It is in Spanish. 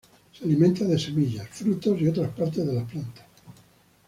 Se alimenta de semillas, frutos y otras partes de las plantas.